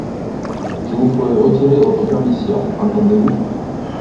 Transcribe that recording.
Je vous ferai retirer votre permission, entendez-vous !